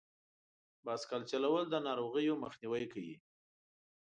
بایسکل چلول د ناروغیو مخنیوی کوي.